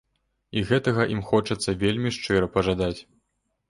І гэтага ім хочацца вельмі шчыра пажадаць.